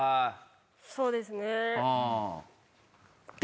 そうですね。